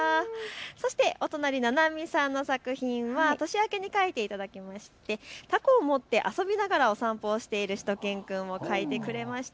そしてお隣、ななみさんの作品は年明けに描いていただきましてたこを持って遊びながらお散歩をしているしゅと犬くんを描いてくれました。